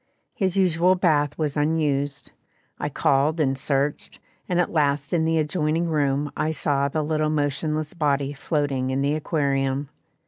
His usual bath was unused; I called and searched, and at last in the adjoining room I saw the little motionless body floating in the aquarium.